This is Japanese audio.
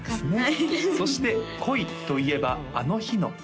そして「濃い」といえば「あの日の恋」